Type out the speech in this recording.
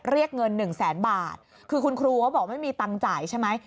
เรียกเงินหนึ่งแสนบาทคือคุณครูเขาบอกไม่มีตังค์จ่ายใช่ไหม